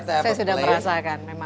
saya sudah merasakan memang